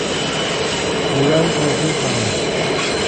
Morango ouviu bem